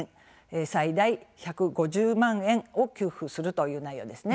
最大１５０万円も給付するという内容ですね。